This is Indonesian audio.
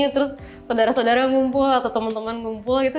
terus saudara saudara ngumpul atau teman teman ngumpul gitu